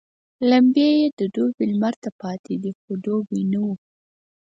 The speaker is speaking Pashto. لمبې يې د دوبي لمر ته پاتېدې خو دوبی نه وو.